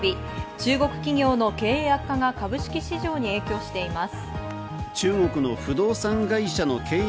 中国企業の経営悪化が株式市場に影響しています。